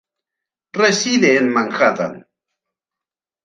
Reside en Manhattan.